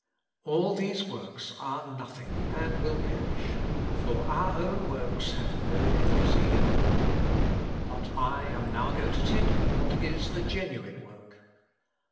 All these works are nothing, and will perish: for our own works have no efficacy in them. But I am now going to tell you what is the genuine work.